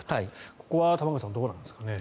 ここは玉川さんどうなんですかね？